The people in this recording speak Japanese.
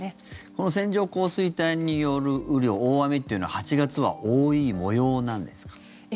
この線状降水帯による雨量大雨というのは８月は多い模様なんですか？